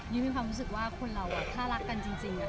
ยืมมีความรู้สึกว่าคนเราอ่ะถ้ารักกันจริงอ่ะ